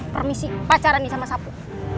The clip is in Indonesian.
permisi pacaran nih sama sapu